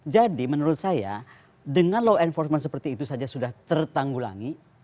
jadi menurut saya dengan law enforcement seperti itu saja sudah tertanggulangi